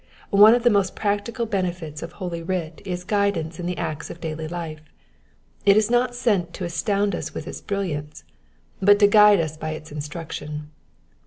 One of the most practical benefits of Holy Writ is guidance in the acts of daily life : it is not sent to astound us with its brilliance, but to guide us by its instruction.